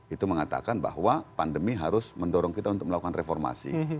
itu mengatakan bahwa pandemi harus mendorong kita untuk melakukan reformasi